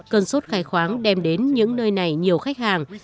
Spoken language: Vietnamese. cơn sốt khai khoáng đem đến những nơi này nhiều khách hàng